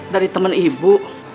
dari temen ibu